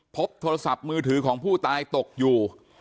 พบโทรศัพท์มือถือของผู้ตายตกอยู่